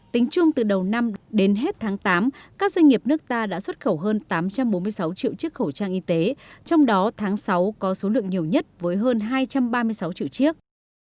tính chung từ đầu năm đến hết tháng tám các doanh nghiệp nước ta đã xuất khẩu hơn tám trăm bốn mươi sáu triệu chiếc khẩu trang y tế trong đó tháng sáu có số lượng nhiều nhất với hơn hai trăm ba mươi sáu triệu chiếc